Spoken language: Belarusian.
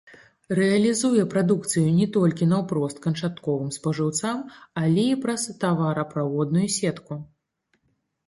Рэалізуе прадукцыю не толькі наўпрост канчатковым спажыўцам, але і праз тавараправодную сетку.